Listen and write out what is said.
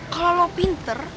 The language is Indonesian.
kalau lo pinter